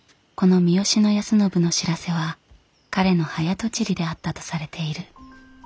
この三善康信の知らせは彼の早とちりであったとされている。